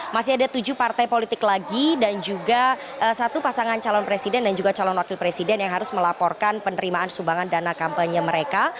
masih ada tujuh partai politik lagi dan juga satu pasangan calon presiden dan juga calon wakil presiden yang harus melaporkan penerimaan sumbangan dana kampanye mereka